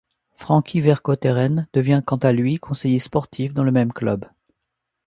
Franky Vercauteren devient quant à lui le conseiller sportif dans ce même club.